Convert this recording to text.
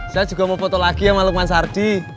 saya juga mau foto lagi sama lukman sardi